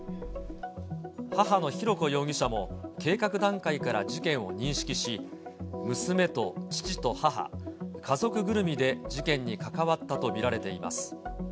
母の浩子容疑者も、計画段階から事件を認識し、娘と父と母、家族ぐるみで事件に関わったと見られています。